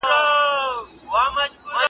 شیخه تا چي به په حق تکفیرولو .